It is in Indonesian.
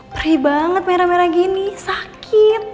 perih banget merah merah gini sakit